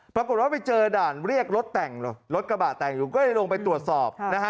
ปรากฏว่าไปเจอด่านเรียกรถแต่งรถกระบะแต่งอยู่ก็เลยลงไปตรวจสอบนะฮะ